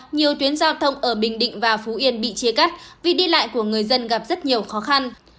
nhiều tuyến giao thông ở bình định và phú yên bị chia cắt vì đi lại của người dân gặp rất nhiều khó khăn